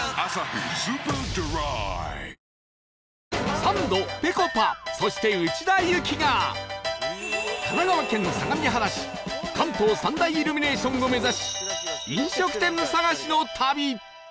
サンドぺこぱそして内田有紀が神奈川県相模原市関東三大イルミネーションを目指し飲食店探しの旅！